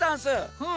うん。